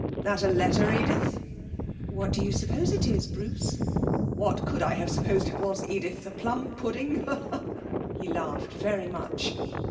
'That a letter, Edith?' 'What do you suppose it is, Bruce?' 'What could I have supposed it was, Edith? A plum pudding?' He laughed very much.